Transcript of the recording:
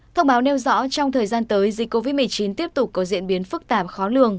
thông báo nêu rõ trong thời gian tới dịch covid một mươi chín tiếp tục có diễn biến phức tạp khó lường